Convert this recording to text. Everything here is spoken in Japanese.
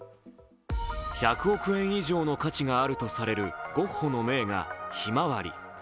１００億円以上の価値があるとされるゴッホの名画「ひまわり」。